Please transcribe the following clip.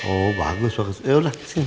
oh bagus yaudah sini